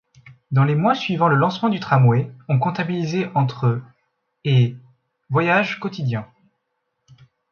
Dans les mois suivant le lancement du tramway, on comptabilisait entre et voyages quotidiens.